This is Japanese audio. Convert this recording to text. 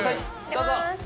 どうぞ！